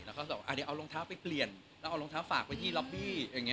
แล้วก็บอกว่าเดี๋ยวเอารองเท้าไปเปลี่ยนแล้วเอารองเท้าฝากไปที่ล็อบบี้อย่างนี้